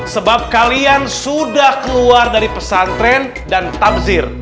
sebab kalian sudah keluar dari pesantren dan tamzir